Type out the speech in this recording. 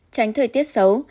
ba tránh thời tiết xấu